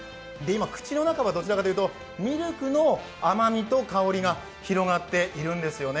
口の中はどちらかというとミルクの甘みと香りが広がっているんですよね。